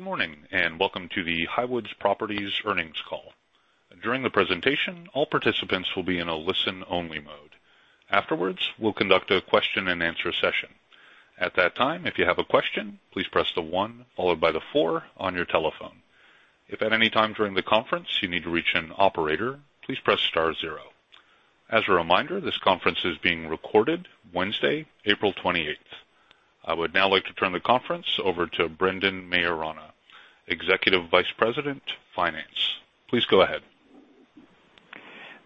Good morning, and welcome to the Highwoods Properties earnings call. During the presentation, all participants will be in a listen-only mode. Afterwards, we'll conduct a Q&A session. At that time, if you have a question, please press the one followed by the four on your telephone. If at any time during the conference, you need to reach an operator, please press star zero. As a reminder, this conference is being recorded Wednesday, April 28th. I would now like to turn the conference over to Brendan Maiorana, Executive Vice President of Finance. Please go ahead.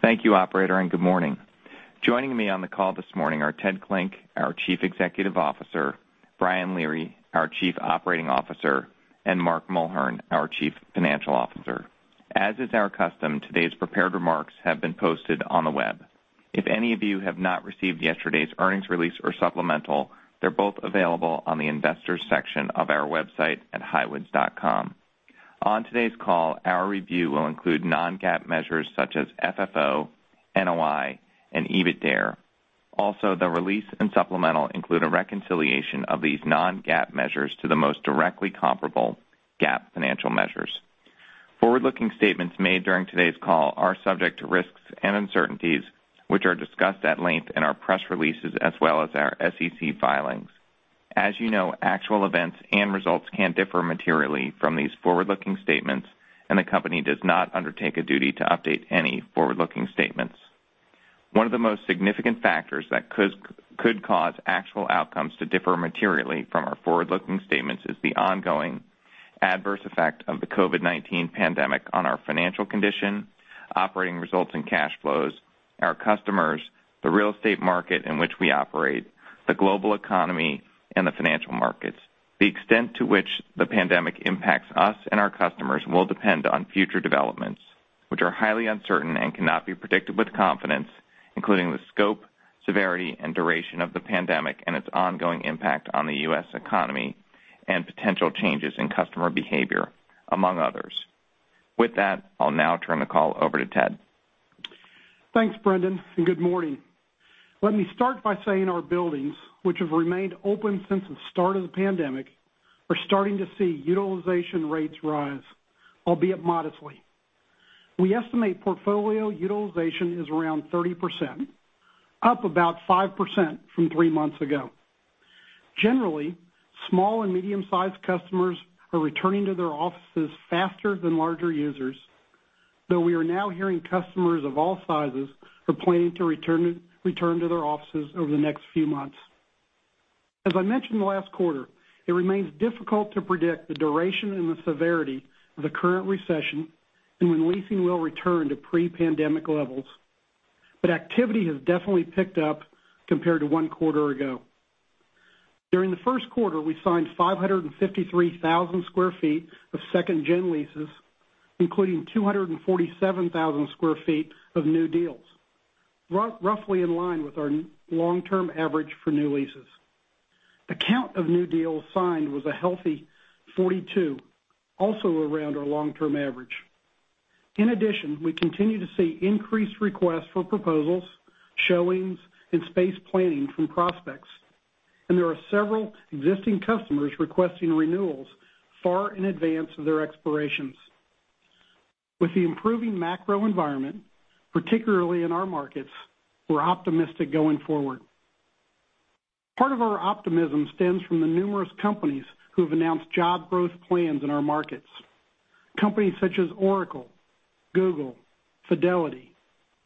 Thank you, operator. Good morning. Joining me on the call this morning are Ted Klinck, our Chief Executive Officer, Brian Leary, our Chief Operating Officer, and Mark Mulhern, our Chief Financial Officer. As is our custom, today's prepared remarks have been posted on the web. If any of you have not received yesterday's earnings release or supplemental, they're both available on the investors section of our website at highwoods.com. On today's call, our review will include non-GAAP measures such as FFO, NOI, and EBITDARE. Also, the release and supplemental include a reconciliation of these non-GAAP measures to the most directly comparable GAAP financial measures. Forward-looking statements made during today's call are subject to risks and uncertainties, which are discussed at length in our press releases as well as our SEC filings. As you know, actual events and results can differ materially from these forward-looking statements, and the company does not undertake a duty to update any forward-looking statements. One of the most significant factors that could cause actual outcomes to differ materially from our forward-looking statements is the ongoing adverse effect of the COVID-19 pandemic on our financial condition, operating results and cash flows, our customers, the real estate market in which we operate, the global economy, and the financial markets. The extent to which the pandemic impacts us and our customers will depend on future developments, which are highly uncertain and cannot be predicted with confidence, including the scope, severity, and duration of the pandemic and its ongoing impact on the U.S. economy and potential changes in customer behavior, among others. With that, I'll now turn the call over to Ted. Thanks, Brendan, and good morning. Let me start by saying our buildings, which have remained open since the start of the pandemic, are starting to see utilization rates rise, albeit modestly. We estimate portfolio utilization is around 30%, up about 5% from three months ago. Generally, small and medium-sized customers are returning to their offices faster than larger users, though we are now hearing customers of all sizes are planning to return to their offices over the next few months. As I mentioned last quarter, it remains difficult to predict the duration and the severity of the current recession and when leasing will return to pre-pandemic levels, activity has definitely picked up compared to one quarter ago. During the first quarter, we signed 553,000 sq ft of second gen leases, including 247,000 sq ft of new deals, roughly in line with our long-term average for new leases. The count of new deals signed was a healthy 42, also around our long-term average. In addition, we continue to see increased RFPs, showings, and space planning from prospects, and there are several existing customers requesting renewals far in advance of their expirations. With the improving macro environment, particularly in our markets, we're optimistic going forward. Part of our optimism stems from the numerous companies who have announced job growth plans in our markets. Companies such as Oracle, Google, Fidelity,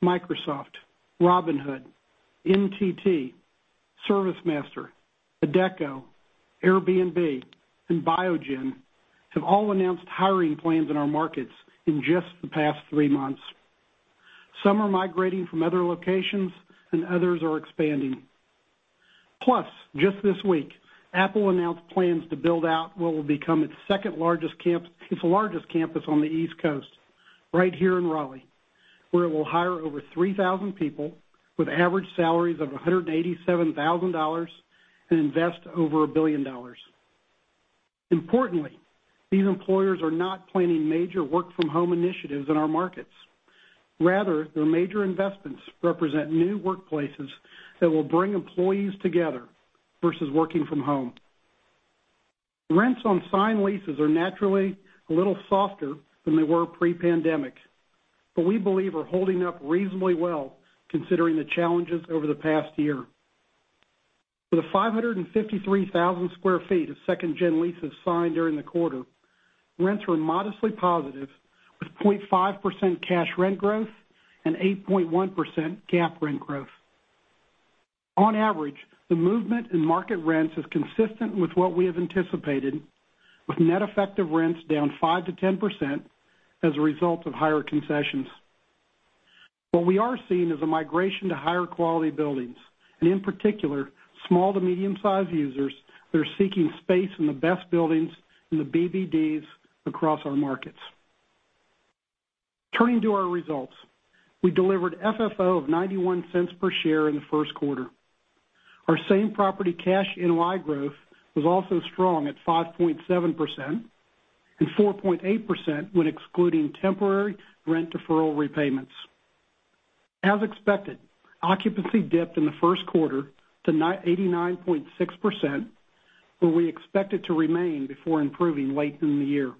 Microsoft, Robinhood, NTT, ServiceMaster, Adecco, Airbnb, and Biogen have all announced hiring plans in our markets in just the past three months. Some are migrating from other locations, and others are expanding. Just this week, Apple announced plans to build out what will become its largest campus on the East Coast right here in Raleigh, where it will hire over 3,000 people with average salaries of $187,000 and invest over $1 billion. Importantly, these employers are not planning major work-from-home initiatives in our markets. Rather, their major investments represent new workplaces that will bring employees together versus working from home. Rents on signed leases are naturally a little softer than they were pre-pandemic, but we believe are holding up reasonably well, considering the challenges over the past year. For the 553,000 sq ft of second-gen leases signed during the quarter, rents were modestly positive with 0.5% cash rent growth and 8.1% GAAP rent growth. On average, the movement in market rents is consistent with what we have anticipated, with net effective rents down 5%-10% as a result of higher concessions. What we are seeing is a migration to higher quality buildings and in particular, small to medium sized users that are seeking space in the best buildings in the BBDs across our markets. Turning to our results. We delivered FFO of $0.91 per share in the first quarter. Our same property cash NOI growth was also strong at 5.7% and 4.8% when excluding temporary rent deferral repayments. As expected, occupancy dipped in the first quarter to 89.6%, where we expect it to remain before improving late in the year.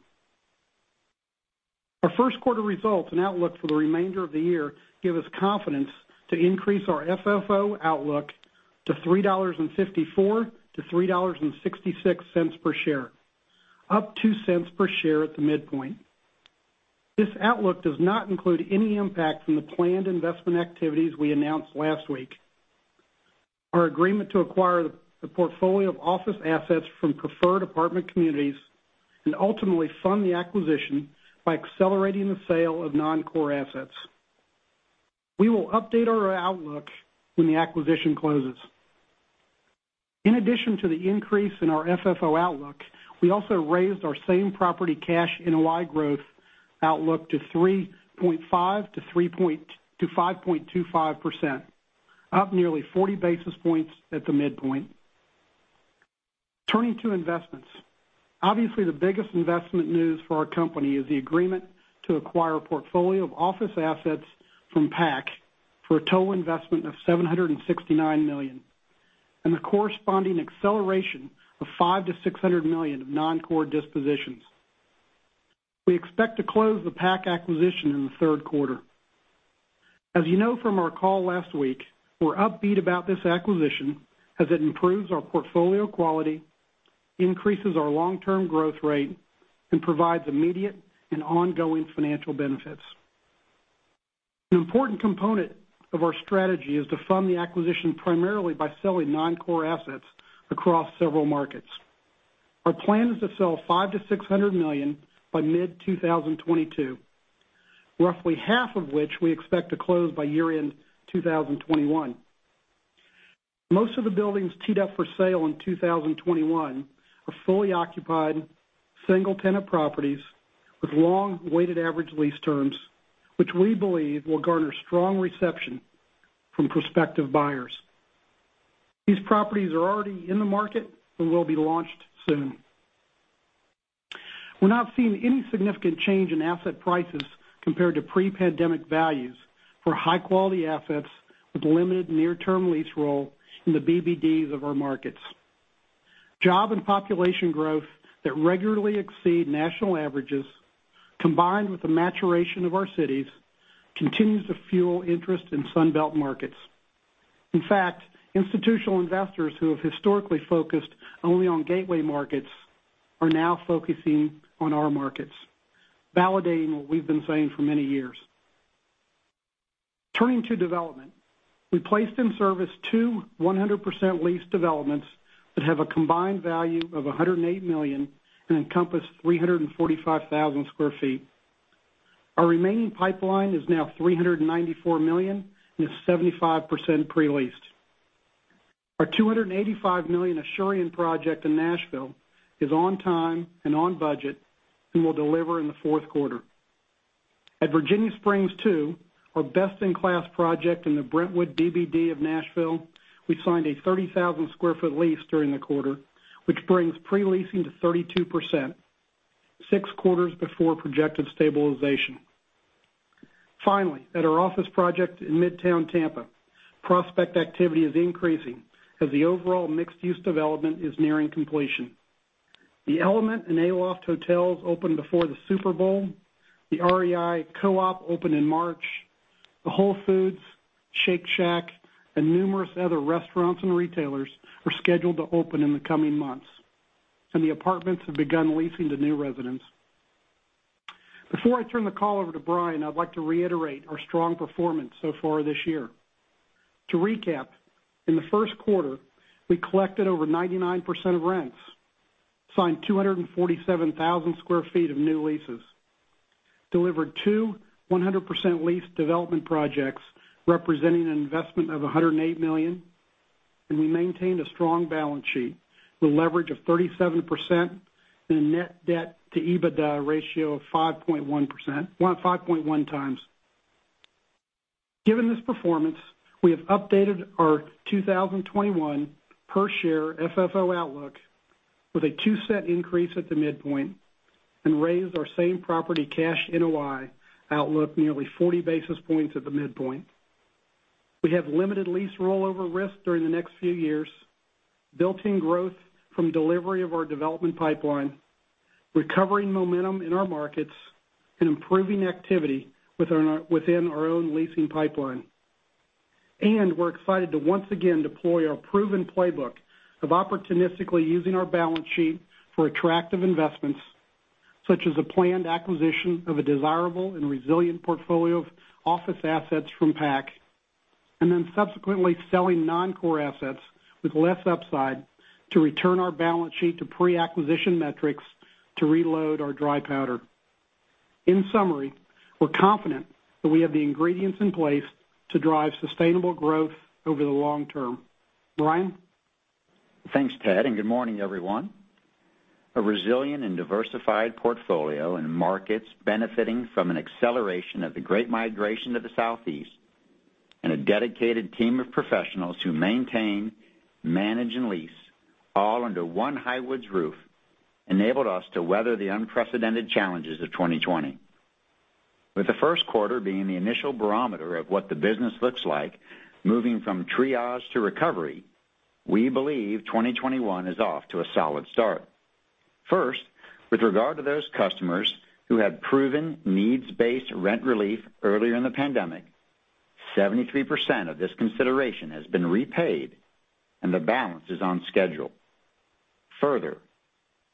Our first quarter results and outlook for the remainder of the year give us confidence to increase our FFO outlook to $3.54-$3.66 per share, up $0.02 per share at the midpoint. This outlook does not include any impact from the planned investment activities we announced last week. Our agreement to acquire the portfolio of office assets from Preferred Apartment Communities, and ultimately fund the acquisition by accelerating the sale of non-core assets. We will update our outlook when the acquisition closes. In addition to the increase in our FFO outlook, we also raised our same property cash NOI growth outlook to 3.5%-5.25%, up nearly 40 basis points at the midpoint. Turning to investments. Obviously, the biggest investment news for our company is the agreement to acquire a portfolio of office assets from PAC for a total investment of $769 million, and the corresponding acceleration of $5 million-$600 million of non-core dispositions. We expect to close the PAC acquisition in the third quarter. As you know from our call last week, we're upbeat about this acquisition as it improves our portfolio quality, increases our long-term growth rate, and provides immediate and ongoing financial benefits. An important component of our strategy is to fund the acquisition primarily by selling non-core assets across several markets. Our plan is to sell $5 million-$600 million by mid-2022, roughly half of which we expect to close by year-end 2021. Most of the buildings teed up for sale in 2021 are fully occupied, single-tenant properties with long weighted average lease terms, which we believe will garner strong reception from prospective buyers. These properties are already in the market and will be launched soon. We're not seeing any significant change in asset prices compared to pre-pandemic values for high-quality assets with limited near-term lease roll in the BBDs of our markets. Job and population growth that regularly exceed national averages, combined with the maturation of our cities, continues to fuel interest in Sun Belt markets. Institutional investors who have historically focused only on gateway markets are now focusing on our markets, validating what we've been saying for many years. Turning to development. We placed in service two 100% leased developments that have a combined value of $108 million and encompass 345,000 sq ft. Our remaining pipeline is now $394 million and is 75% pre-leased. Our $285 million Asurion project in Nashville is on time and on budget and will deliver in the fourth quarter. At Virginia Springs II, our best-in-class project in the Brentwood BBD of Nashville, we signed a 30,000 sq ft lease during the quarter, which brings pre-leasing to 32%, six quarters before projected stabilization. Finally, at our office project in Midtown Tampa, prospect activity is increasing as the overall mixed-use development is nearing completion. The Element and Aloft hotels opened before the Super Bowl. The REI co-op opened in March. The Whole Foods, Shake Shack, and numerous other restaurants and retailers are scheduled to open in the coming months. The apartments have begun leasing to new residents. Before I turn the call over to Brian, I'd like to reiterate our strong performance so far this year. To recap, in the first quarter, we collected over 99% of rents, signed 247,000 sq ft of new leases, delivered two 100% leased development projects representing an investment of $108 million, and we maintained a strong balance sheet with a leverage of 37% and a net debt to EBITDA ratio of 5.1x. Given this performance, we have updated our 2021 per-share FFO outlook with a $0.02 increase at the midpoint and raised our same property cash NOI outlook nearly 40 basis points at the midpoint. We have limited lease rollover risk during the next few years, built-in growth from delivery of our development pipeline, recovering momentum in our markets, and improving activity within our own leasing pipeline. We're excited to once again deploy our proven playbook of opportunistically using our balance sheet for attractive investments, such as the planned acquisition of a desirable and resilient portfolio of office assets from PAC, and then subsequently selling non-core assets with less upside to return our balance sheet to pre-acquisition metrics to reload our dry powder. In summary, we're confident that we have the ingredients in place to drive sustainable growth over the long term. Brian? Thanks, Ted, and good morning, everyone. A resilient and diversified portfolio in markets benefiting from an acceleration of the great migration to the Southeast, and a dedicated team of professionals who maintain, manage, and lease all under one Highwoods roof. Enabled us to weather the unprecedented challenges of 2020. With the first quarter being the initial barometer of what the business looks like moving from triage to recovery, we believe 2021 is off to a solid start. First, with regard to those customers who have proven needs-based rent relief earlier in the pandemic, 73% of this consideration has been repaid, and the balance is on schedule. Further,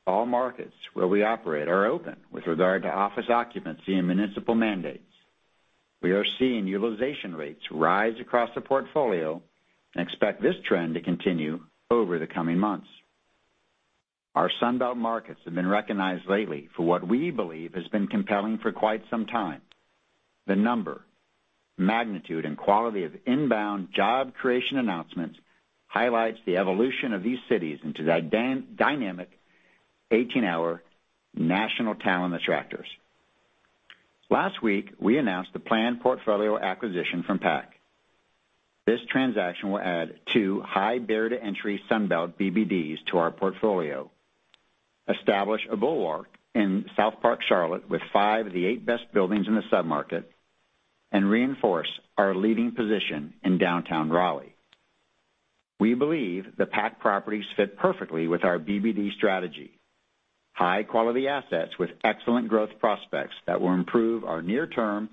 all markets where we operate are open with regard to office occupancy and municipal mandates. We are seeing utilization rates rise across the portfolio and expect this trend to continue over the coming months. Our Sun Belt markets have been recognized lately for what we believe has been compelling for quite some time. The number, magnitude, and quality of inbound job creation announcements highlights the evolution of these cities into dynamic 18-hour national talent attractors. Last week, we announced the planned portfolio acquisition from PAC. This transaction will add two high barrier-to-entry Sun Belt BBDs to our portfolio, establish a bulwark in SouthPark Charlotte with five of the eight best buildings in the sub-market, and reinforce our leading position in downtown Raleigh. We believe the PAC properties fit perfectly with our BBD strategy. High-quality assets with excellent growth prospects that will improve our near-term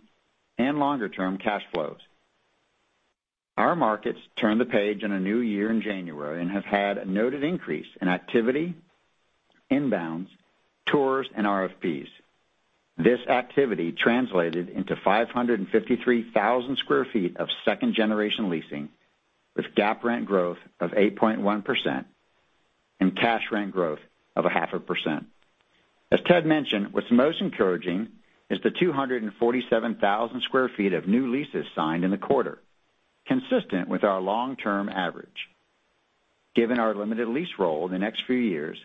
and longer-term cash flows. Our markets turned the page on a new year in January and have had a noted increase in activity, inbounds, tours, and RFPs. This activity translated into 553,000 sq ft of second-generation leasing, with GAAP rent growth of 8.1% and cash rent growth of a half a percent. As Ted mentioned, what's most encouraging is the 247,000 sq ft of new leases signed in the quarter, consistent with our long-term average. Given our limited lease roll the next few years,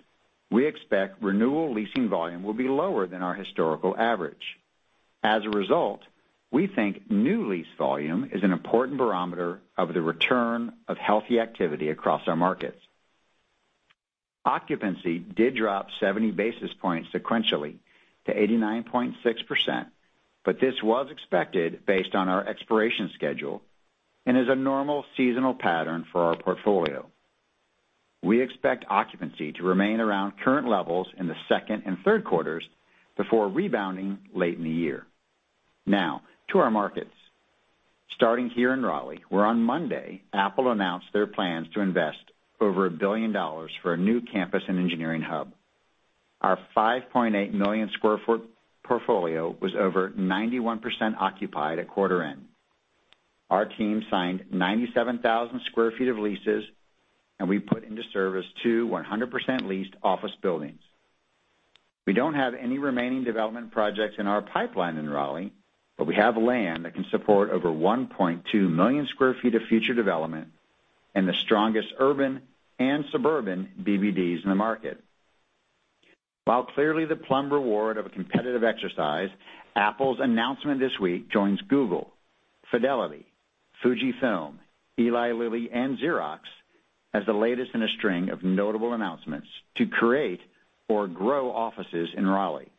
we expect renewal leasing volume will be lower than our historical average. As a result, we think new lease volume is an important barometer of the return of healthy activity across our markets. Occupancy did drop 70 basis points sequentially to 89.6%, but this was expected based on our expiration schedule and is a normal seasonal pattern for our portfolio. We expect occupancy to remain around current levels in the second and third quarters before rebounding late in the year. Now to our markets. Starting here in Raleigh, where on Monday, Apple announced their plans to invest over $1 billion for a new campus and engineering hub. Our 5.8-million-square-foot portfolio was over 91% occupied at quarter end. Our team signed 97,000 sq ft of leases, and we put into service two 100% leased office buildings. We don't have any remaining development projects in our pipeline in Raleigh, but we have land that can support over 1.2 million sq ft of future development and the strongest urban and suburban BBDs in the market. While clearly the plum reward of a competitive exercise, Apple's announcement this week joins Google, Fidelity, Fujifilm, Eli Lilly, and Xerox as the latest in a string of notable announcements to create or grow offices in Raleigh.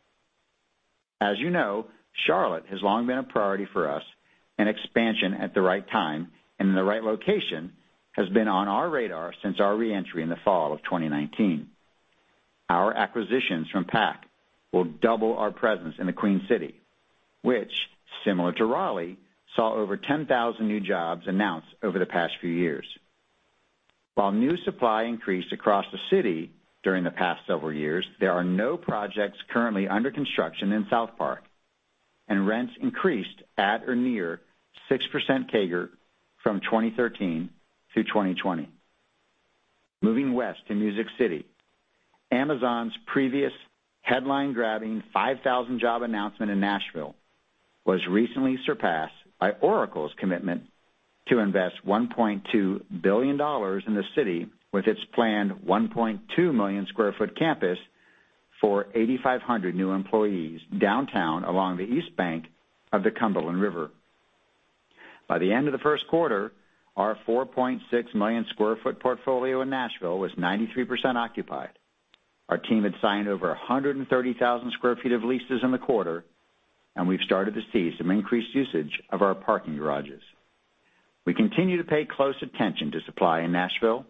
As you know, Charlotte has long been a priority for us, and expansion at the right time and in the right location has been on our radar since our re-entry in the fall of 2019. Our acquisitions from PAC will double our presence in the Queen City, which, similar to Raleigh, saw over 10,000 new jobs announced over the past few years. While new supply increased across the city during the past several years, there are no projects currently under construction in SouthPark, and rents increased at or near 6% CAGR from 2013-2020. Moving west to Music City. Amazon's previous headline-grabbing 5,000-job announcement in Nashville was recently surpassed by Oracle's commitment to invest $1.2 billion in the city with its planned 1.2-million-square-foot campus for 8,500 new employees downtown along the east bank of the Cumberland River. By the end of the first quarter, our 4.6 million sq ft portfolio in Nashville was 93% occupied. Our team had signed over 130,000 sq ft of leases in the quarter, and we've started to see some increased usage of our parking garages. We continue to pay close attention to supply in Nashville,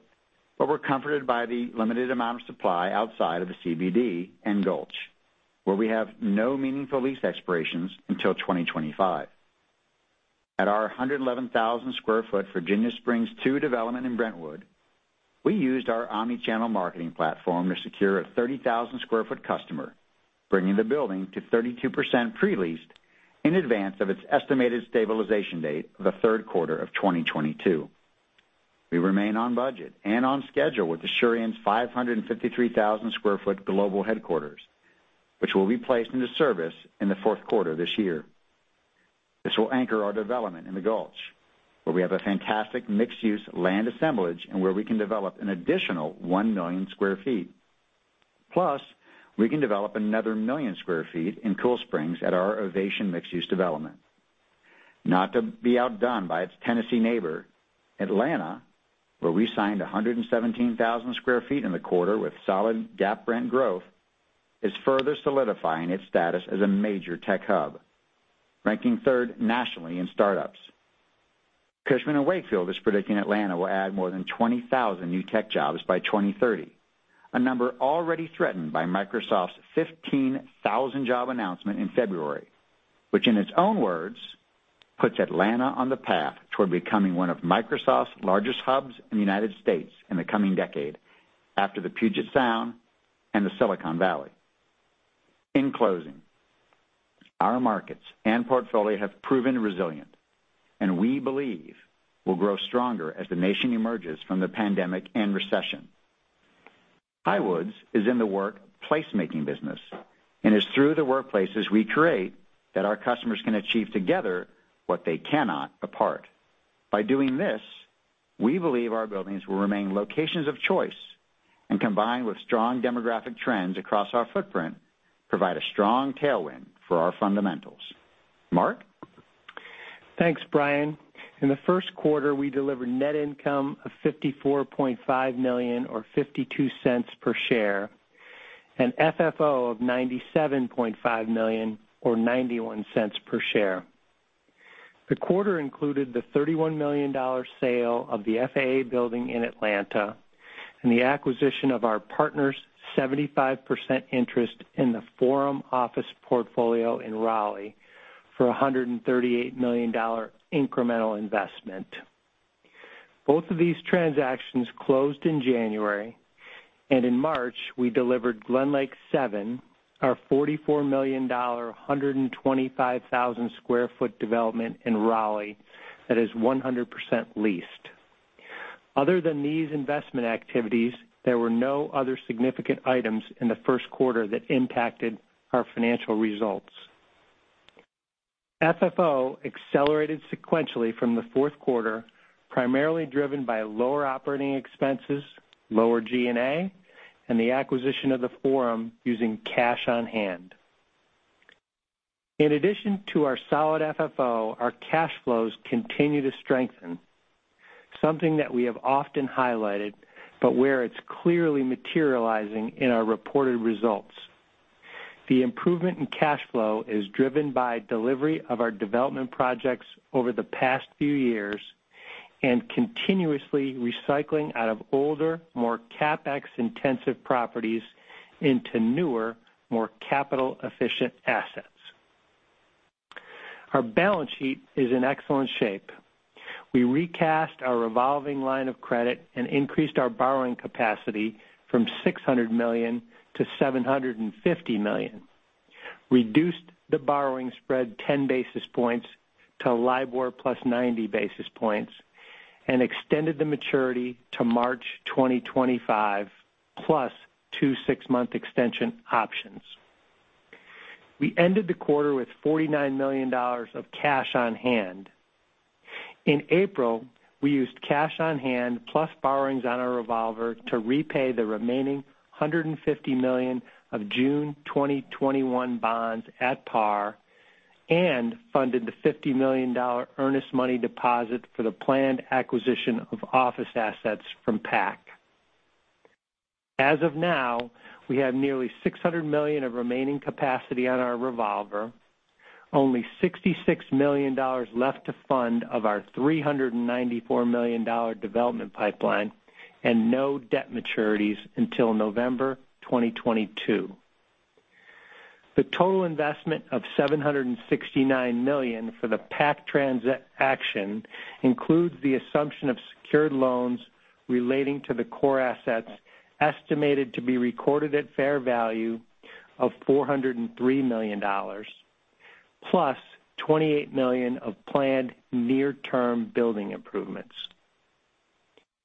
but we're comforted by the limited amount of supply outside of the CBD and Gulch, where we have no meaningful lease expirations until 2025. At our 111,000 sq ft Virginia Springs II development in Brentwood, we used our omni-channel marketing platform to secure a 30,000 sq ft customer, bringing the building to 32% pre-leased in advance of its estimated stabilization date, the third quarter of 2022. We remain on budget and on schedule with Asurion's 553,000 sq ft global headquarters, which will be placed into service in the fourth quarter this year. This will anchor our development in The Gulch, where we have a fantastic mixed-use land assemblage and where we can develop an additional 1 million sq ft. We can develop another 1 million sq ft in Cool Springs at our Ovation mixed-use development. Not to be outdone by its Tennessee neighbor, Atlanta, where we signed 117,000 sq ft in the quarter with solid GAAP rent growth, is further solidifying its status as a major tech hub, ranking third nationally in startups. Cushman & Wakefield is predicting Atlanta will add more than 20,000 new tech jobs by 2030. A number already threatened by Microsoft's 15,000 job announcement in February, which, in its own words, puts Atlanta on the path toward becoming one of Microsoft's largest hubs in the U.S. in the coming decade after the Puget Sound and the Silicon Valley. In closing, our markets and portfolio have proven resilient, and we believe will grow stronger as the nation emerges from the pandemic and recession. Highwoods is in the work placemaking business, and it's through the workplaces we create that our customers can achieve together what they cannot apart. By doing this, we believe our buildings will remain locations of choice, and combined with strong demographic trends across our footprint, provide a strong tailwind for our fundamentals. Mark? Thanks, Brian. In the first quarter, we delivered net income of $54.5 million or $0.52 per share, FFO of $97.5 million or $0.91 per share. The quarter included the $31 million sale of the FAA building in Atlanta and the acquisition of our partner's 75% interest in the Forum office portfolio in Raleigh for $138 million incremental investment. Both of these transactions closed in January, and in March, we delivered GlenLake Seven, our $44 million, 125,000 sq ft development in Raleigh that is 100% leased. Other than these investment activities, there were no other significant items in the first quarter that impacted our financial results. FFO accelerated sequentially from the fourth quarter, primarily driven by lower operating expenses, lower G&A, and the acquisition of the Forum using cash on hand. In addition to our solid FFO, our cash flows continue to strengthen, something that we have often highlighted, but where it's clearly materializing in our reported results. The improvement in cash flow is driven by delivery of our development projects over the past few years and continuously recycling out of older, more CapEx-intensive properties into newer, more capital-efficient assets. Our balance sheet is in excellent shape. We recast our revolving line of credit and increased our borrowing capacity from $600 million-$750 million, reduced the borrowing spread 10 basis points to LIBOR plus 90 basis points, and extended the maturity to March 2025, plus two six-month extension options. We ended the quarter with $49 million of cash on hand. In April, we used cash on hand plus borrowings on our revolver to repay the remaining $150 million of June 2021 bonds at par and funded the $50 million earnest money deposit for the planned acquisition of office assets from PAC. As of now, we have nearly $600 million of remaining capacity on our revolver. Only $66 million left to fund of our $394 million development pipeline, and no debt maturities until November 2022. The total investment of $769 million for the PAC transaction includes the assumption of secured loans relating to the core assets, estimated to be recorded at fair value of $403 million, plus $28 million of planned near-term building improvements.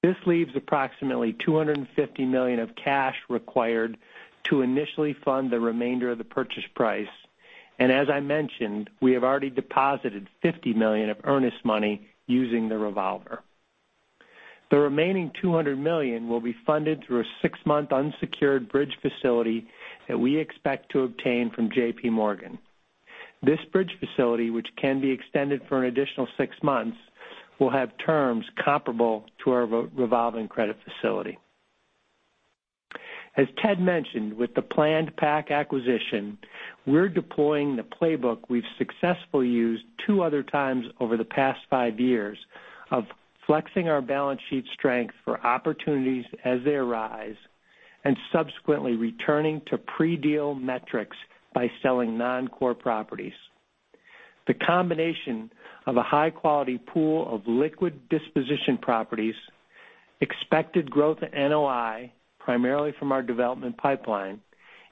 This leaves approximately $250 million of cash required to initially fund the remainder of the purchase price. As I mentioned, we have already deposited $50 million of earnest money using the revolver. The remaining $200 million will be funded through a six-month unsecured bridge facility that we expect to obtain from JPMorgan. This bridge facility, which can be extended for an additional six months, will have terms comparable to our revolving credit facility. As Ted mentioned, with the planned PAC acquisition, we're deploying the playbook we've successfully used two other times over the past five years of flexing our balance sheet strength for opportunities as they arise, and subsequently returning to pre-deal metrics by selling non-core properties. The combination of a high-quality pool of liquid disposition properties, expected growth in NOI, primarily from our development pipeline,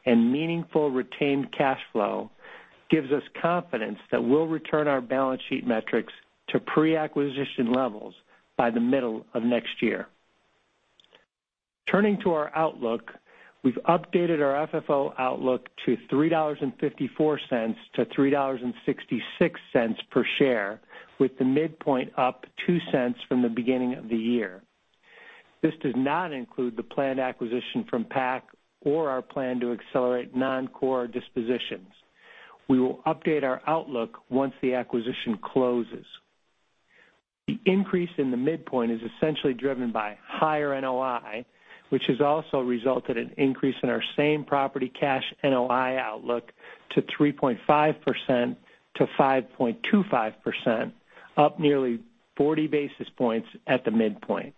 and meaningful retained cash flow, gives us confidence that we'll return our balance sheet metrics to pre-acquisition levels by the middle of next year. Turning to our outlook, we've updated our FFO outlook to $3.54-$3.66 per share, with the midpoint up $0.02 from the beginning of the year. This does not include the planned acquisition from PAC or our plan to accelerate non-core dispositions. We will update our outlook once the acquisition closes. The increase in the midpoint is essentially driven by higher NOI, which has also resulted in increase in our same-property cash NOI outlook to 3.5%-5.25%, up nearly 40 basis points at the midpoint.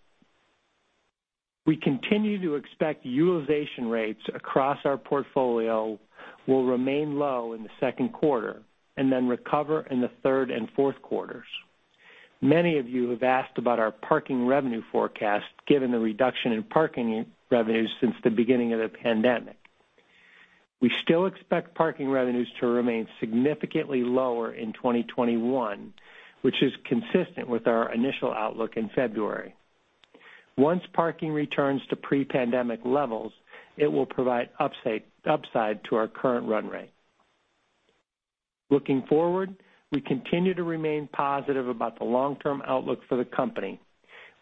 We continue to expect utilization rates across our portfolio will remain low in the second quarter and then recover in the third and fourth quarters. Many of you have asked about our parking revenue forecast, given the reduction in parking revenues since the beginning of the pandemic. We still expect parking revenues to remain significantly lower in 2021, which is consistent with our initial outlook in February. Once parking returns to pre-pandemic levels, it will provide upside to our current run rate. Looking forward, we continue to remain positive about the long-term outlook for the company.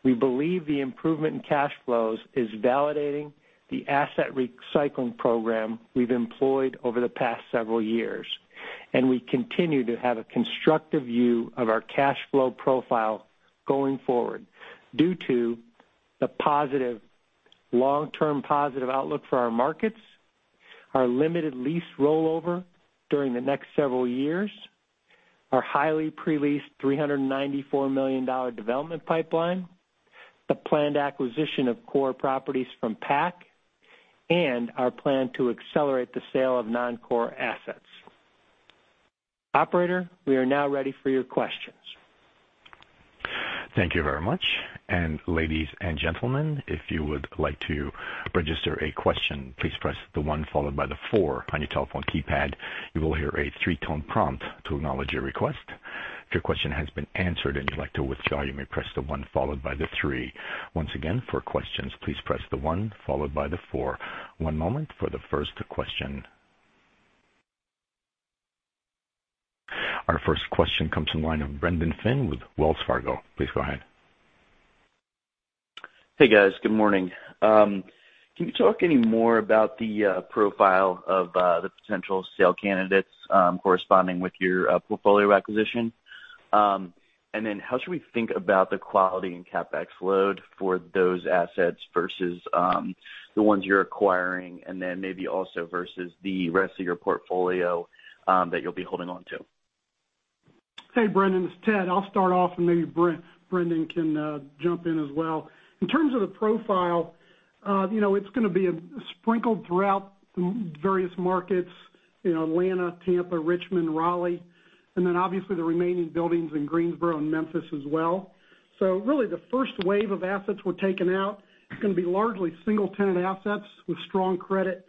We believe the improvement in cash flows is validating the asset recycling program we've employed over the past several years, and we continue to have a constructive view of our cash flow profile going forward due to the positive long-term positive outlook for our markets, our limited lease rollover during the next several years, our highly pre-leased $394 million development pipeline, the planned acquisition of core properties from PAC, and our plan to accelerate the sale of non-core assets. Operator, we are now ready for your questions. Thank you very much. Ladies and gentlemen if you would like to register a question, please press the one followed by the four on your telephone keypad. You will hear a three-tone prompt to acknowledge your request. If your question has been answered and you'd like to withdraw, you may press the one followed by the three. Once again for questions please press the one followed by the four. One moment for the first question. Our first question comes from the line of Brendan Finn with Wells Fargo. Please go ahead. Hey, guys. Good morning. Can you talk any more about the profile of the potential sale candidates corresponding with your portfolio acquisition? How should we think about the quality in CapEx load for those assets versus the ones you're acquiring, and then maybe also versus the rest of your portfolio that you'll be holding on to? Hey, Brendan, it's Ted. I'll start off. Maybe Brendan can jump in as well. In terms of the profile, it's going to be sprinkled throughout various markets in Atlanta, Tampa, Richmond, Raleigh, and obviously the remaining buildings in Greensboro and Memphis as well. Really the first wave of assets we're taking out is going to be largely single-tenant assets with strong credit,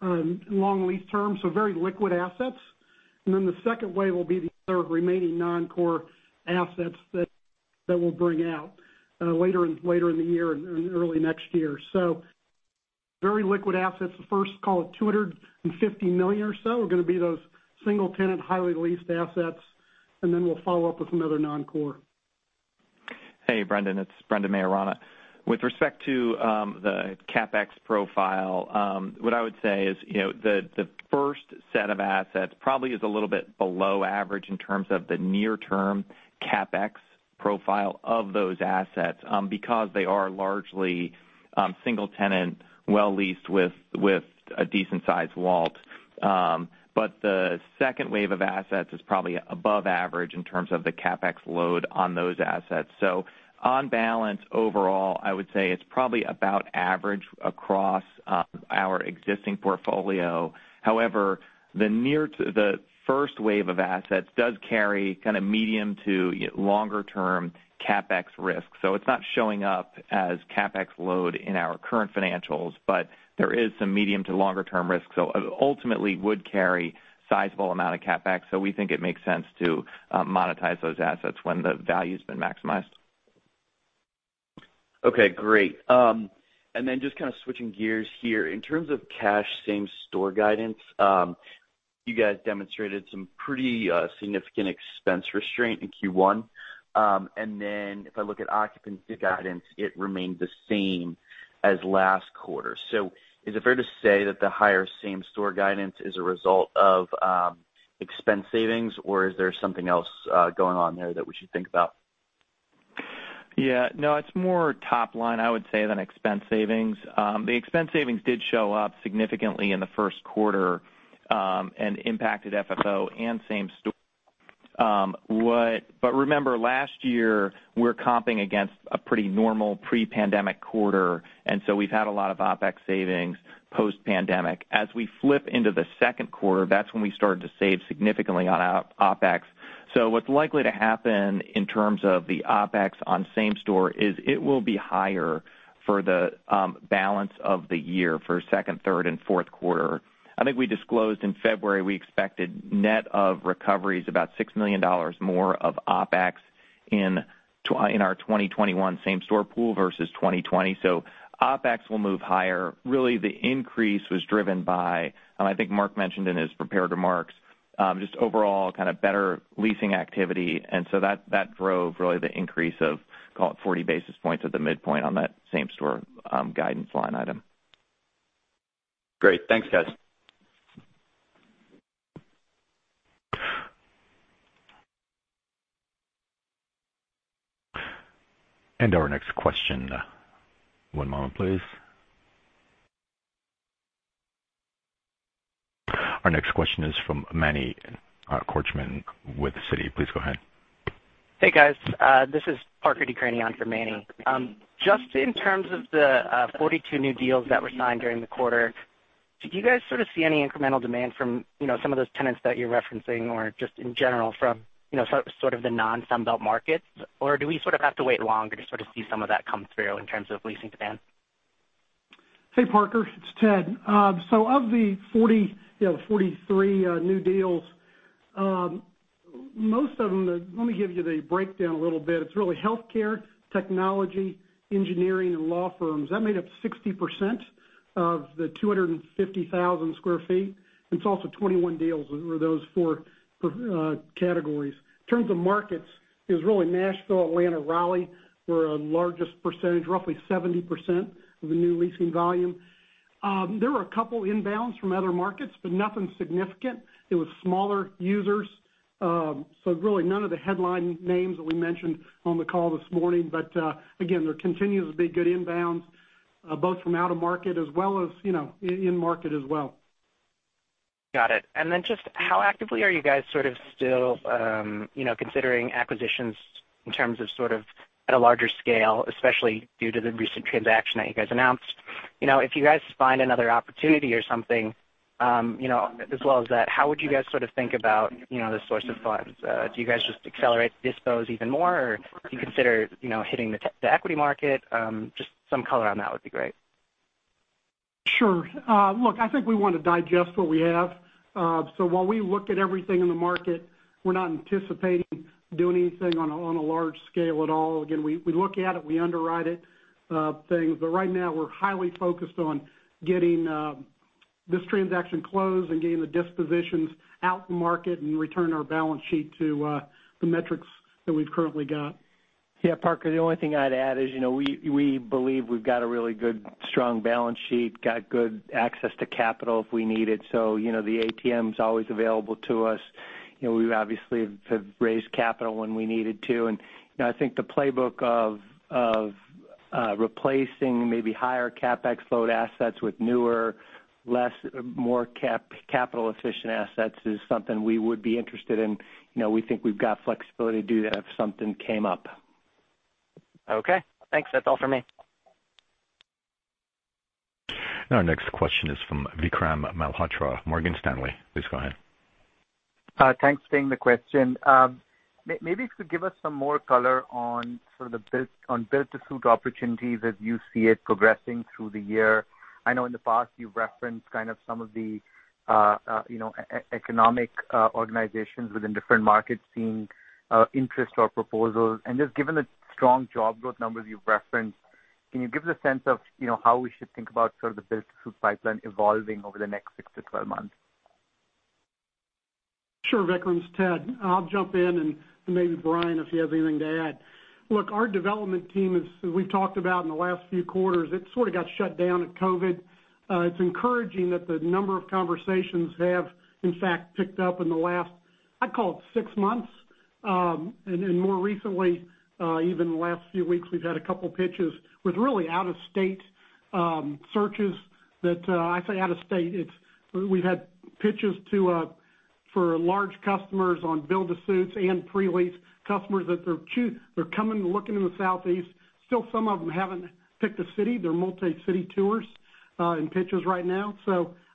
long lease terms, so very liquid assets. The second wave will be the sort of remaining non-core assets that we'll bring out later in the year and early next year. Very liquid assets. The first, call it $250 million or so are going to be those single-tenant, highly leased assets. We'll follow up with another non-core. Hey, Brendan, it's Brendan Maiorana. With respect to the CapEx profile, what I would say is the first set of assets probably is a little bit below average in terms of the near-term CapEx profile of those assets because they are largely single tenant, well leased with a decent-sized WALT. The second wave of assets is probably above average in terms of the CapEx load on those assets. On balance, overall, I would say it's probably about average across our existing portfolio. The first wave of assets does carry kind of medium to longer-term CapEx risk. It's not showing up as CapEx load in our current financials, but there is some medium to longer-term risk, ultimately would carry sizable amount of CapEx. We think it makes sense to monetize those assets when the value's been maximized. Okay, great. Just kind of switching gears here. In terms of cash same-store guidance, you guys demonstrated some pretty significant expense restraint in Q1. If I look at occupancy guidance, it remained the same as last quarter. Is it fair to say that the higher same-store guidance is a result of expense savings, or is there something else going on there that we should think about? It's more top line, I would say, than expense savings. The expense savings did show up significantly in the first quarter and impacted FFO and same-store. Remember last year, we're comping against a pretty normal pre-pandemic quarter, we've had a lot of OpEx savings post pandemic. As we flip into the second quarter, that's when we started to save significantly on OpEx. What's likely to happen in terms of the OpEx on same-store is it will be higher for the balance of the year for second, third, and fourth quarter. I think we disclosed in February, we expected net of recoveries about $6 million more of OpEx in our 2021 same-store pool versus 2020. OpEx will move higher. Really, the increase was driven by, and I think Mark mentioned in his prepared remarks, just overall kind of better leasing activity. That drove really the increase of call it 40 basis points at the midpoint on that same-store guidance line item. Great. Thanks, guys. Our next question. One moment, please. Our next question is from Manny Korchman with Citi. Please go ahead. Hey, guys. This is Parker Decraene on for Manny. Just in terms of the 42 new deals that were signed during the quarter, did you guys sort of see any incremental demand from some of those tenants that you're referencing or just in general from sort of the non-Sun Belt markets? Do we sort of have to wait longer to sort of see some of that come through in terms of leasing demand? Hey, Parker. It's Ted. Of the 43 new deals, let me give you the breakdown a little bit. It's really healthcare, technology, engineering, and law firms. That made up 60% of the 250,000 sq ft. It's also 21 deals were those four categories. In terms of markets, it was really Nashville, Atlanta, Raleigh, were our largest percentage, roughly 70% of the new leasing volume. There were a couple inbounds from other markets, but nothing significant. It was smaller users. Really none of the headline names that we mentioned on the call this morning, but again, there continues to be good inbounds, both from out-of-market as well as in-market as well. Got it. Just how actively are you guys sort of still considering acquisitions in terms of sort of at a larger scale, especially due to the recent transaction that you guys announced? If you guys find another opportunity or something, as well as that, how would you guys sort of think about the source of funds? Do you guys just accelerate dispos even more, or do you consider hitting the equity market? Just some color on that would be great. Sure. Look, I think we want to digest what we have. While we look at everything in the market, we're not anticipating doing anything on a large scale at all. Again, we look at it, we underwrite it, things. Right now, we're highly focused on getting this transaction closed and getting the dispositions out in the market and return our balance sheet to the metrics that we've currently got. Yeah, Parker, the only thing I'd add is we believe we've got a really good, strong balance sheet, got good access to capital if we need it. The ATM's always available to us. We obviously have raised capital when we needed to. I think the playbook of replacing maybe higher CapEx load assets with newer, more capital-efficient assets is something we would be interested in. We think we've got flexibility to do that if something came up. Okay. Thanks. That's all for me. Our next question is from Vikram Malhotra, Morgan Stanley. Please go ahead. Thanks for taking the question. Maybe if you could give us some more color on sort of the build-to-suit opportunities as you see it progressing through the year. I know in the past you've referenced kind of some of the economic organizations within different markets seeing interest or proposals. Just given the strong job growth numbers you've referenced, can you give us a sense of how we should think about sort of the build-to-suit pipeline evolving over the next 6-12 months? Sure, Vikram. It's Ted. I'll jump in, and maybe Brian, if he has anything to add. Look, our development team, as we've talked about in the last few quarters, it sort of got shut down at COVID. It's encouraging that the number of conversations have, in fact, picked up in the last, I'd call it six months. More recently, even the last few weeks, we've had a couple pitches with really out-of-state searches. I say out-of-state, we've had pitches for large customers on build-to-suits and pre-lease customers that they're coming and looking in the Southeast. Still, some of them haven't picked a city. They're multi-city tours in pitches right now.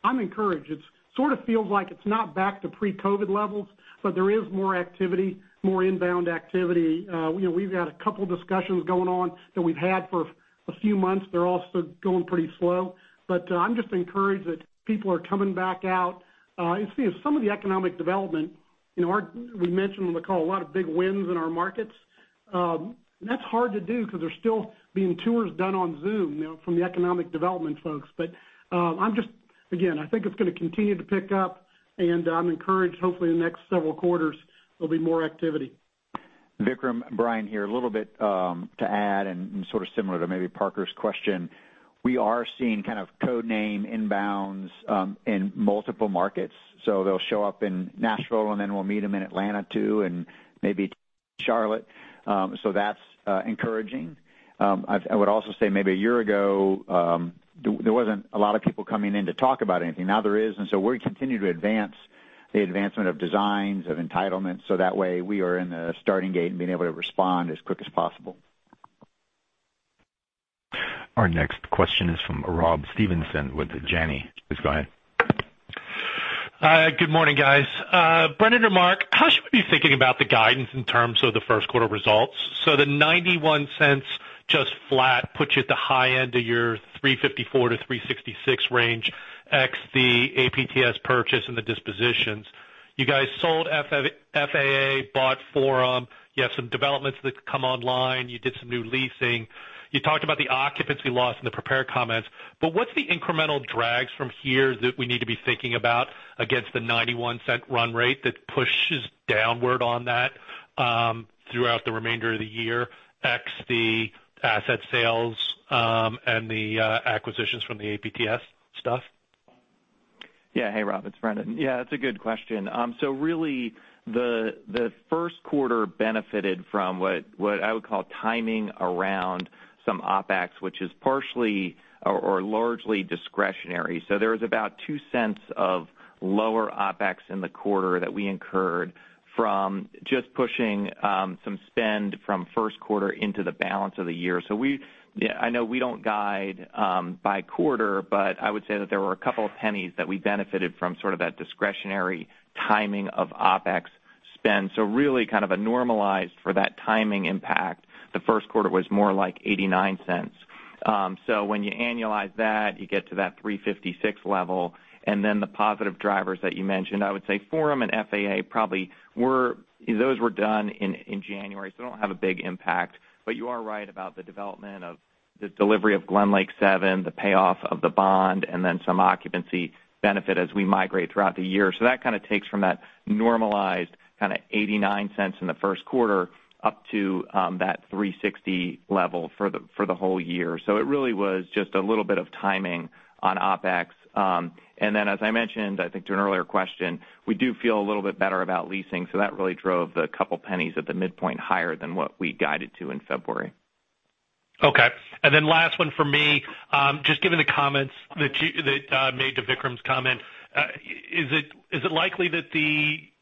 I'm encouraged. It sort of feels like it's not back to pre-COVID levels. There is more activity, more inbound activity. We've got a couple discussions going on that we've had for a few months. They're all still going pretty slow. I'm just encouraged that people are coming back out and seeing some of the economic development. We mentioned on the call a lot of big wins in our markets. That's hard to do because there's still being tours done on Zoom from the economic development folks. Again, I think it's going to continue to pick up, and I'm encouraged. Hopefully, in the next several quarters, there'll be more activity. Vikram, Brian here. A little bit to add and sort of similar to maybe Parker's question. We are seeing kind of code name inbounds in multiple markets. They'll show up in Nashville, and then we'll meet them in Atlanta too, and maybe Charlotte. That's encouraging. I would also say maybe a year ago, there wasn't a lot of people coming in to talk about anything. Now there is. We're continuing to advance the advancement of designs, of entitlements, so that way we are in the starting gate and being able to respond as quick as possible. Our next question is from Rob Stevenson with Janney. Please go ahead. Good morning, guys. Brendan or Mark, how should we be thinking about the guidance in terms of the first quarter results? The $0.91 just flat puts you at the high end of your $3.54-$3.66 range, x the PAC purchase and the dispositions. You guys sold FAA, bought Forum. You have some developments that come online. You did some new leasing. You talked about the occupancy loss in the prepared comments, what's the incremental drags from here that we need to be thinking about against the $0.91 run rate that pushes downward on that throughout the remainder of the year, x the asset sales, and the acquisitions from the PAC stuff? Yeah. Hey, Rob, it's Brendan. Yeah, it's a good question. Really, the first quarter benefited from what I would call timing around some OpEx, which is partially or largely discretionary. There was about $0.02 of lower OpEx in the quarter that we incurred from just pushing some spend from first quarter into the balance of the year. I know we don't guide by quarter, but I would say that there were a couple of pennies that we benefited from sort of that discretionary timing of OpEx spend. Really kind of a normalized for that timing impact. The first quarter was more like $0.89. When you annualize that, you get to that $3.56 level, and then the positive drivers that you mentioned, I would say Forum and FAA probably those were done in January, so they don't have a big impact. You are right about the development of the delivery of GlenLake Seven, the payoff of the bond, and then some occupancy benefit as we migrate throughout the year. That kind of takes from that normalized kind of $0.89 in the first quarter up to that $3.60 level for the whole year. It really was just a little bit of timing on OpEx. Then, as I mentioned, I think to an earlier question, we do feel a little bit better about leasing. That really drove the couple pennies at the midpoint higher than what we guided to in February. Okay. Last one from me. Just given the comments that you made to Vikram's comment, is it likely that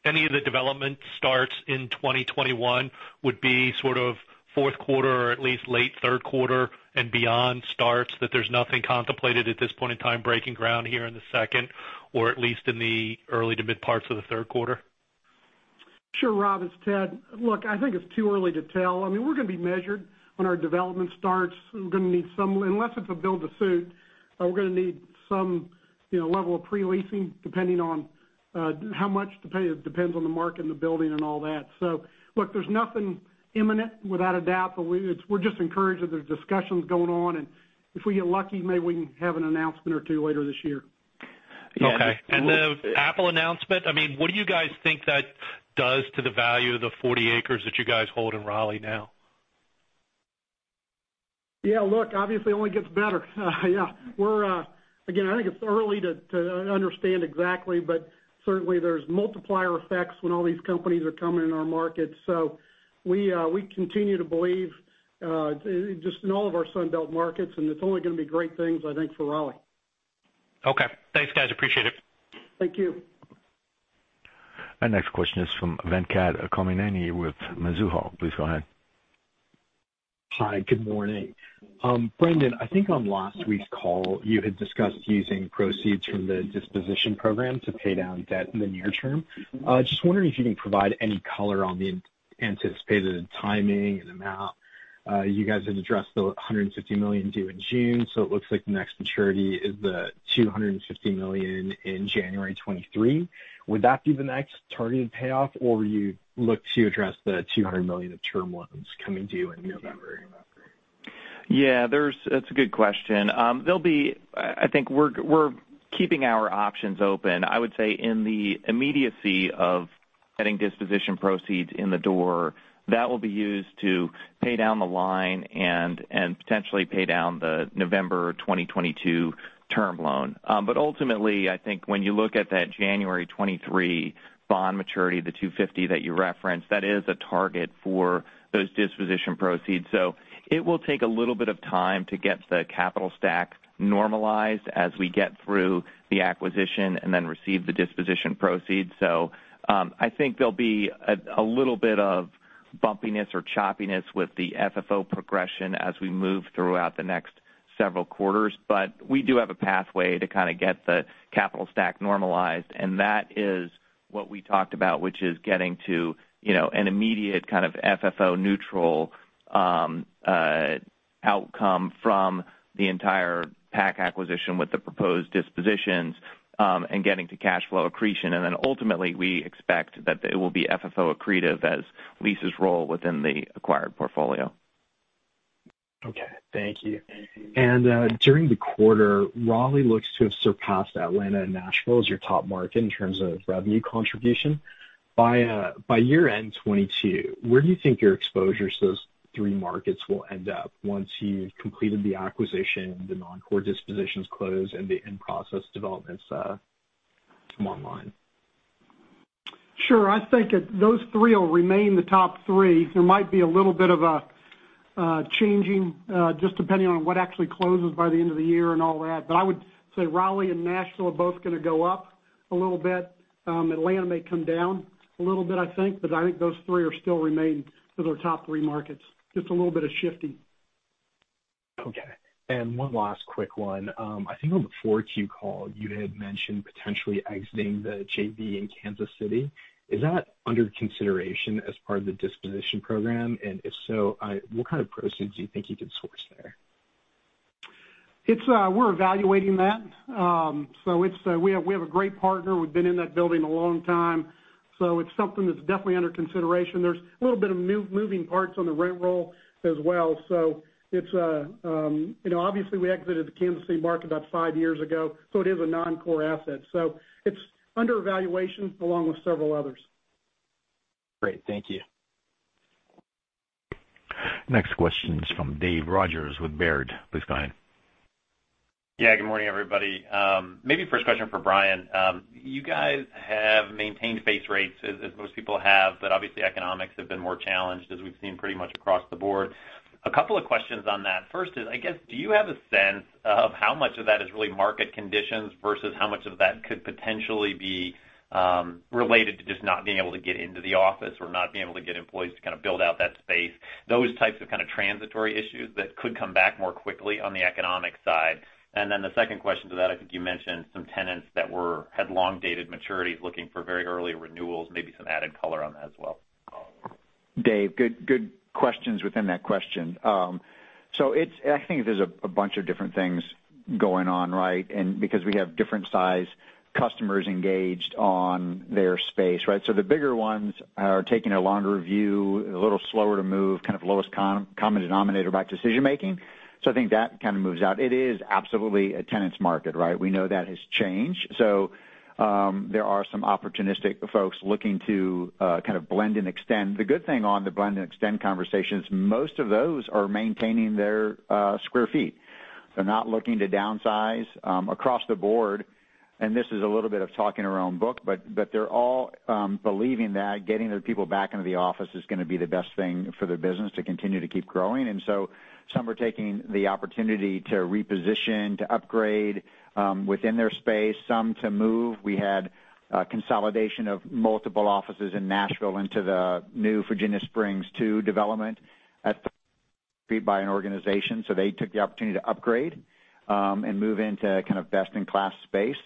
any of the development starts in 2021 would be sort of fourth quarter or at least late third quarter and beyond starts, that there's nothing contemplated at this point in time breaking ground here in the second or at least in the early to mid parts of the third quarter? Sure, Rob, it's Ted. Look, I think it's too early to tell. We're going to be measured when our development starts. We're going to need some, unless it's a build to suit, we're going to need some level of pre-leasing depending on how much to pay. It depends on the market and the building and all that. Look, there's nothing imminent, without a doubt, but we're just encouraged that there's discussions going on, and if we get lucky, maybe we can have an announcement or two later this year. Okay. The Apple announcement, what do you guys think that does to the value of the 40 acres that you guys hold in Raleigh now? Yeah, look, obviously only gets better. Yeah. Again, I think it's early to understand exactly, but certainly there's multiplier effects when all these companies are coming in our market. We continue to believe, just in all of our Sun Belt markets, and it's only going to be great things, I think, for Raleigh. Okay. Thanks, guys, appreciate it. Thank you. Our next question is from Venkat Kommineni with Mizuho. Please go ahead. Hi, good morning. Brendan, I think on last week's call, you had discussed using proceeds from the disposition program to pay down debt in the near term. Just wondering if you can provide any color on the anticipated timing and amount? You guys have addressed the $150 million due in June, so it looks like the next maturity is the $250 million in January 2023. Would that be the next targeted payoff, or would you look to address the $200 million of term loans coming due in November? Yeah, that's a good question. I think we're keeping our options open. I would say in the immediacy of getting disposition proceeds in the door, that will be used to pay down the line and potentially pay down the November 2022 term loan. Ultimately, I think when you look at that January 2023 bond maturity, the $250 that you referenced, that is a target for those disposition proceeds. It will take a little bit of time to get the capital stack normalized as we get through the acquisition and then receive the disposition proceeds. I think there'll be a little bit of bumpiness or choppiness with the FFO progression as we move throughout the next several quarters. We do have a pathway to kind of get the capital stack normalized, and that is what we talked about, which is getting to an immediate kind of FFO neutral outcome from the entire PAC acquisition with the proposed dispositions, and getting to cash flow accretion. Ultimately, we expect that it will be FFO accretive as leases roll within the acquired portfolio. Okay. Thank you. During the quarter, Raleigh looks to have surpassed Atlanta and Nashville as your top market in terms of revenue contribution. By year-end 2022, where do you think your exposure to those three markets will end up once you've completed the acquisition, the non-core dispositions close, and the in-process developments come online? Sure. I think that those three will remain the top three. There might be a little bit of a changing, just depending on what actually closes by the end of the year and all that. I would say Raleigh and Nashville are both going to go up a little bit. Atlanta may come down a little bit, I think, but I think those three will still remain as our top three markets. Just a little bit of shifting. Okay. One last quick one. I think on the 4Q call, you had mentioned potentially exiting the JV in Kansas City. Is that under consideration as part of the disposition program? If so, what kind of proceeds do you think you could source there? We're evaluating that. We have a great partner. We've been in that building a long time, so it's something that's definitely under consideration. There's a little bit of moving parts on the rent roll as well. Obviously, we exited the Kansas City market about five years ago, so it is a non-core asset. It's under evaluation along with several others. Great. Thank you. Next question is from Dave Rodgers with Baird. Please go ahead. Good morning, everybody. Maybe first question for Brian. You guys have maintained base rates as most people have, but obviously economics have been more challenged as we've seen pretty much across the board. A couple of questions on that. First is, I guess, do you have a sense of how much of that is really market conditions versus how much of that could potentially be related to just not being able to get into the office or not being able to get employees to kind of build out that space, those types of kind of transitory issues that could come back more quickly on the economic side. The second question to that, I think you mentioned some tenants that had long-dated maturities looking for very early renewals, maybe some added color on that as well. Dave, good questions within that question. I think there's a bunch of different things going on, right. Because we have different size customers engaged on their space, right. The bigger ones are taking a longer view, a little slower to move, kind of lowest common denominator by decision making. I think that kind of moves out. It is absolutely a tenant's market, right. We know that has changed. There are some opportunistic folks looking to kind of blend and extend. The good thing on the blend and extend conversation is most of those are maintaining their square feet. They're not looking to downsize. Across the board, and this is a little bit of talking our own book, but they're all believing that getting their people back into the office is going to be the best thing for their business to continue to keep growing. Some are taking the opportunity to reposition, to upgrade within their space, some to move. We had a consolidation of multiple offices in Nashville into the new Virginia Springs II development at by an organization. They took the opportunity to upgrade, and move into kind of best-in-class space.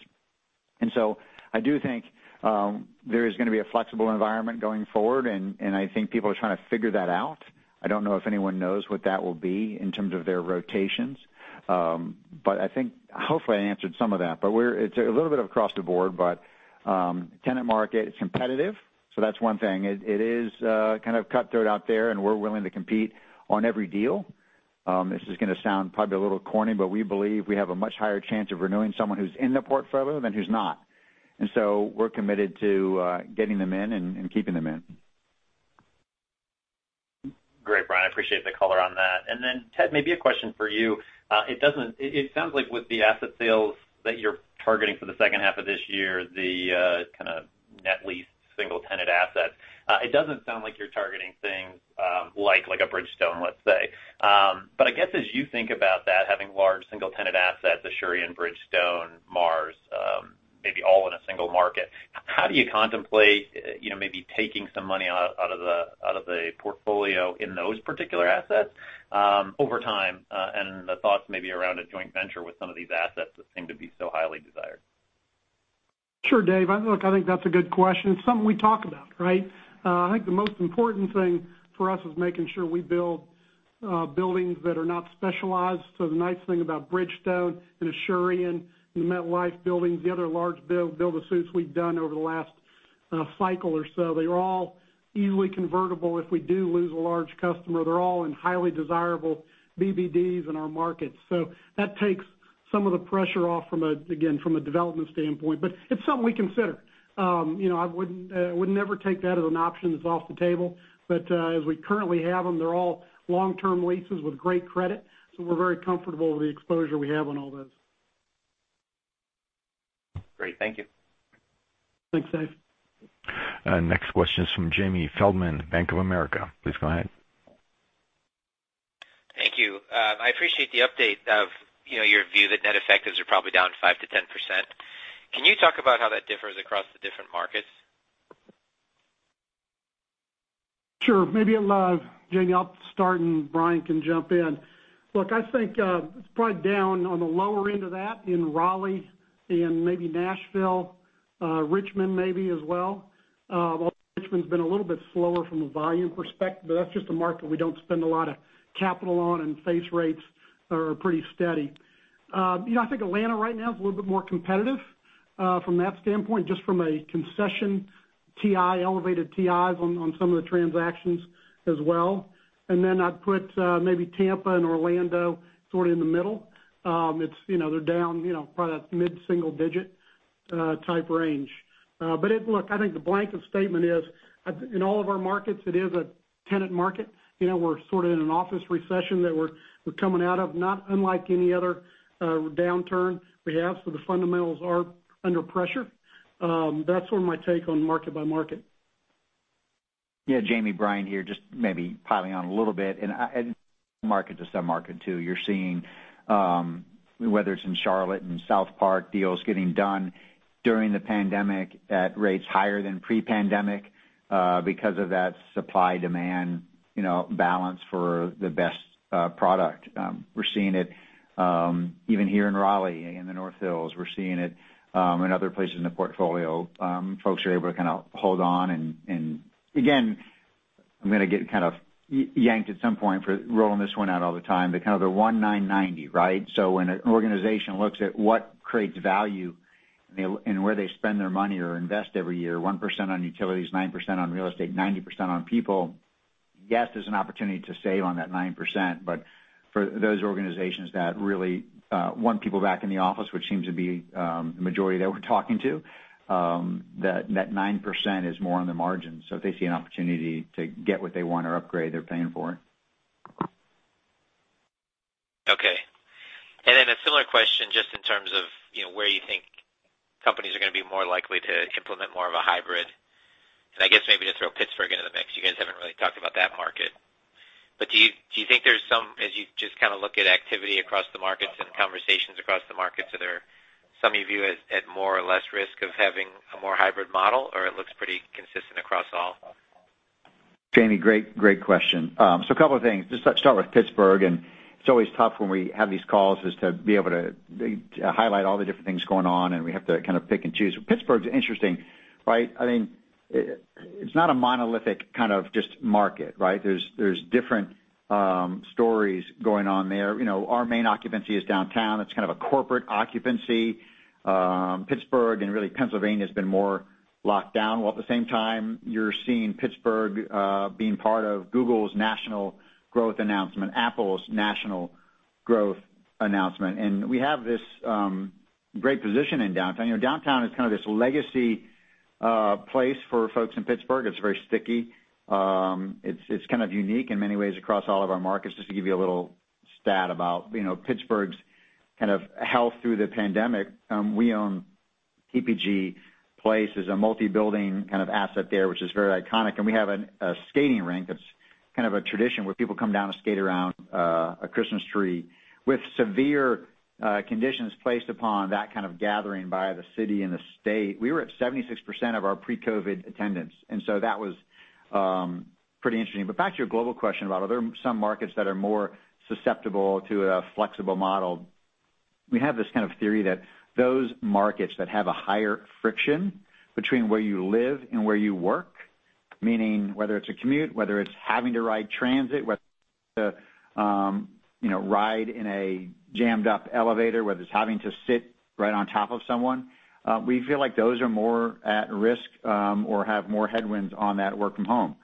I do think there is going to be a flexible environment going forward, and I think people are trying to figure that out. I don't know if anyone knows what that will be in terms of their rotations. I think hopefully I answered some of that, but it's a little bit across the board, but tenant market is competitive, that's one thing. It is kind of cutthroat out there, and we're willing to compete on every deal. This is going to sound probably a little corny, but we believe we have a much higher chance of renewing someone who's in the portfolio than who's not. We're committed to getting them in and keeping them in. Great, Brian. I appreciate the color on that. Then Ted, maybe a question for you. It sounds like with the asset sales that you're targeting for the second half of this year, the kind of net leased single-tenant asset. It doesn't sound like you're targeting things like a Bridgestone, let's say. I guess as you think about that, having large single-tenant assets, Asurion, Bridgestone, Mars, maybe all in a single market, how do you contemplate maybe taking some money out of the portfolio in those particular assets over time? The thoughts maybe around a joint venture with some of these assets that seem to be so highly desired. Sure, Dave. That's a good question. It's something we talk about, right? The most important thing for us is making sure we build buildings that are not specialized. The nice thing about Bridgestone and Asurion and the MetLife buildings, the other large build-to-suits we've done over the last cycle or so, they're all easily convertible if we do lose a large customer. They're all in highly desirable BBDs in our markets. That takes some of the pressure off, again, from a development standpoint. It's something we consider. I would never take that as an option that's off the table. As we currently have them, they're all long-term leases with great credit, we're very comfortable with the exposure we have on all those. Great. Thank you. Thanks, Dave. Next question is from Jamie Feldman, Bank of America. Please go ahead. Thank you. I appreciate the update of your view that net effectives are probably down 5%-10%. Can you talk about how that differs across the different markets? Sure. Maybe, Jamie, I'll start and Brian can jump in. Look, I think it's probably down on the lower end of that in Raleigh and maybe Nashville, Richmond maybe as well. Although Richmond's been a little bit slower from a volume perspective, but that's just a market we don't spend a lot of capital on, and face rates are pretty steady. I think Atlanta right now is a little bit more competitive from that standpoint, just from a concession TI, elevated TIs on some of the transactions as well. Then I'd put maybe Tampa and Orlando sort of in the middle. They're down probably that mid-single digit type range. Look, I think the blanket statement is, in all of our markets, it is a tenant market. We're sort of in an office recession that we're coming out of, not unlike any other downturn we have. The fundamentals are under pressure. That's sort of my take on market by market. Yeah, Jamie, Brian here, just maybe piling on a little bit. Market to sub-market too. You're seeing whether it's in Charlotte and SouthPark deals getting done during the pandemic at rates higher than pre-pandemic, because of that supply-demand balance for the best product. We're seeing it even here in Raleigh, in the North Hills. We're seeing it in other places in the portfolio. Folks are able to kind of hold on and, again, I'm going to get kind of yanked at some point for rolling this one out all the time, but kind of the 1%-9%-90%, right? When an organization looks at what creates value and where they spend their money or invest every year, 1% on utilities, 9% on real estate, 90% on people. Yes, there's an opportunity to save on that 9%, but for those organizations that really want people back in the office, which seems to be the majority that we're talking to, that 9% is more on the margin. If they see an opportunity to get what they want or upgrade, they're paying for it. Okay. A similar question, just in terms of where you think companies are going to be more likely to implement more of a hybrid. I guess maybe just throw Pittsburgh into the mix. You guys haven't really talked about that market. Do you think there's some, as you just kind of look at activity across the markets and conversations across the markets, are there some you view as at more or less risk of having a more hybrid model, or it looks pretty consistent across all? Jamie, great question. A couple of things. Just start with Pittsburgh. It's always tough when we have these calls, is to be able to highlight all the different things going on, and we have to kind of pick and choose. Pittsburgh's interesting, right? It's not a monolithic kind of just market, right? There's different stories going on there. Our main occupancy is downtown. It's kind of a corporate occupancy. Pittsburgh and really Pennsylvania has been more locked down. While at the same time, you're seeing Pittsburgh being part of Google's national growth announcement, Apple's national growth announcement. We have this great position in downtown. Downtown is kind of this legacy place for folks in Pittsburgh. It's very sticky. It's kind of unique in many ways across all of our markets. Just to give you a little stat about Pittsburgh's kind of health through the pandemic. We own PPG Place as a multi-building kind of asset there, which is very iconic. We have a skating rink that's kind of a tradition where people come down to skate around a Christmas tree. With severe conditions placed upon that kind of gathering by the city and the state, we were at 76% of our pre-COVID attendance, and so that was pretty interesting. Back to your global question about are there some markets that are more susceptible to a flexible model. We have this kind of theory that those markets that have a higher friction between where you live and where you work, meaning whether it's a commute, whether it's having to ride transit, whether it's to ride in a jammed-up elevator, whether it's having to sit right on top of someone, we feel like those are more at risk or have more headwinds on that work from home.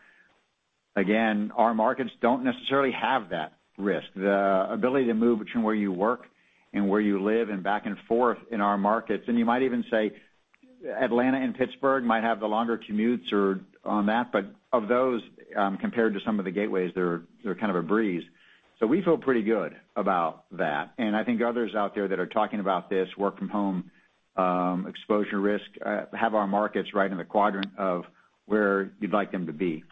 Again, our markets don't necessarily have that risk. The ability to move between where you work and where you live and back and forth in our markets. You might even say Atlanta and Pittsburgh might have the longer commutes on that. Of those, compared to some of the gateways, they're kind of a breeze. We feel pretty good about that. I think others out there that are talking about this work from home exposure risk have our markets right in the quadrant of where you'd like them to be.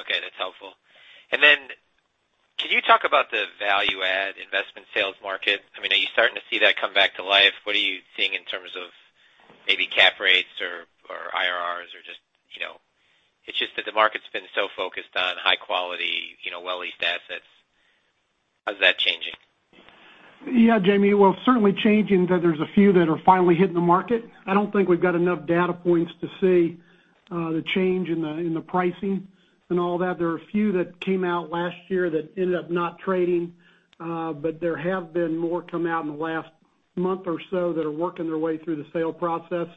Okay, that's helpful. Can you talk about the value add investment sales market? Are you starting to see that come back to life? What are you seeing in terms of maybe cap rates or IRRs or just that the market's been so focused on high quality, well-leased assets. How's that changing? Yeah, Jamie. Well, certainly changing that there's a few that are finally hitting the market. I don't think we've got enough data points to see the change in the pricing and all that. There are a few that came out last year that ended up not trading. There have been more come out in the last month or so that are working their way through the sale process.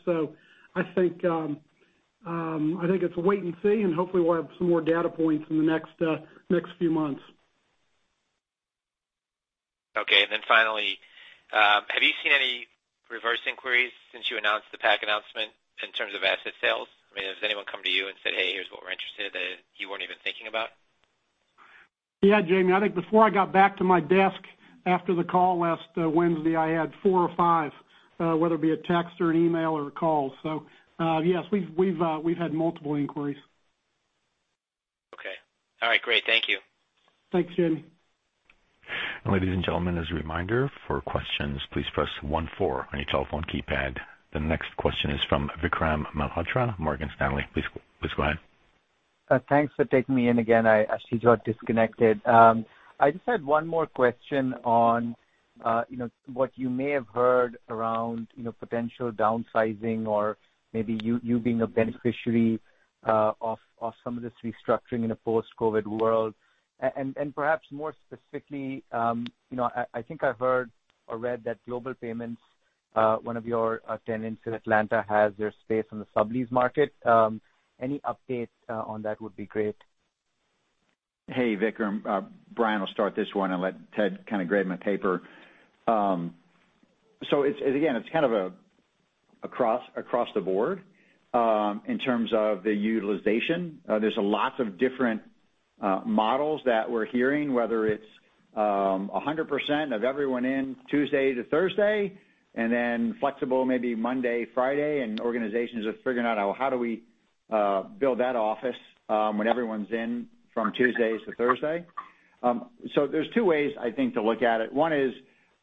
I think it's wait and see, and hopefully we'll have some more data points in the next few months. Okay. Finally, have you seen any reverse inquiries since you announced the PAC announcement in terms of asset sales? Has anyone come to you and said, "Hey, here's what we're interested in that you weren't even thinking about? Yeah, Jamie. I think before I got back to my desk after the call last Wednesday, I had four or five, whether it be a text or an email or a call. Yes, we've had multiple inquiries. Okay. All right, great. Thank you. Thanks, Jamie. Ladies and gentlemen, as a reminder, for questions, please press one four on your telephone keypad. The next question is from Vikram Malhotra, Morgan Stanley. Please go ahead. Thanks for taking me in again. I actually got disconnected. I just had one more question on what you may have heard around potential downsizing or maybe you being a beneficiary of some of this restructuring in a post-COVID-19 world. Perhaps more specifically, I think I heard or read that Global Payments, one of your tenants in Atlanta, has their space on the sublease market. Any updates on that would be great. Hey, Vikram. Brian will start this one and let Ted kind of grade my paper. Again, it's kind of across the board in terms of the utilization. There's lots of different models that we're hearing, whether it's 100% of everyone in Tuesday to Thursday, and then flexible maybe Monday, Friday. Organizations are figuring out, how do we build that office when everyone's in from Tuesdays to Thursday? There's two ways, I think, to look at it. One is,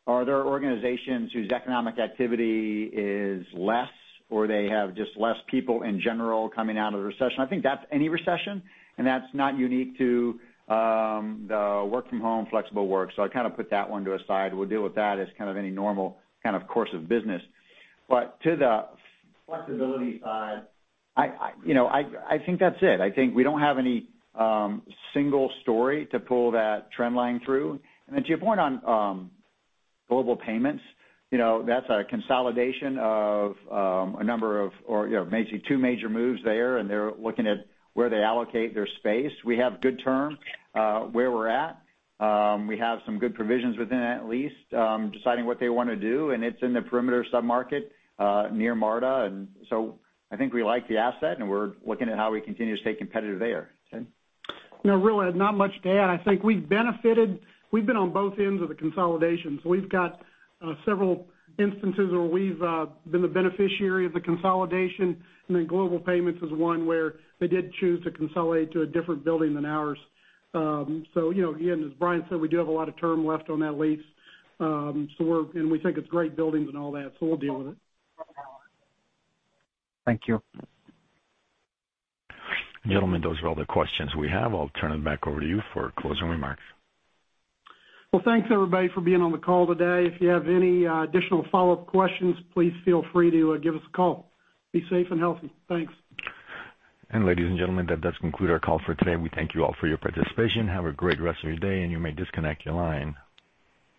are there organizations whose economic activity is less, or they have just less people in general coming out of the recession? I think that's any recession, and that's not unique to the work from home, flexible work. I kind of put that one to a side. We'll deal with that as kind of any normal kind of course of business. To the flexibility side, I think that's it. I think we don't have any single story to pull that trend line through. To your point on Global Payments, that's a consolidation of a number of, or maybe two major moves there, and they're looking at where they allocate their space. We have good term where we're at. We have some good provisions within that lease, deciding what they want to do, and it's in the Perimeter sub-market near MARTA. I think we like the asset, and we're looking at how we continue to stay competitive there. Ted? No, really not much to add. I think we've benefited. We've been on both ends of the consolidation. We've got several instances where we've been the beneficiary of the consolidation, and then Global Payments is one where they did choose to consolidate to a different building than ours. Again, as Brian said, we do have a lot of term left on that lease. We think it's great buildings and all that, so we'll deal with it. Thank you. Gentlemen, those are all the questions we have. I'll turn it back over to you for closing remarks. Well, thanks, everybody, for being on the call today. If you have any additional follow-up questions, please feel free to give us a call. Be safe and healthy. Thanks. Ladies and gentlemen, that does conclude our call for today. We thank you all for your participation. Have a great rest of your day, and you may disconnect your line.